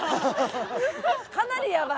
かなりやばい！